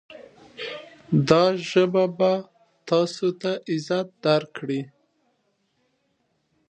دا ژبه به تاسې ته عزت درکړي.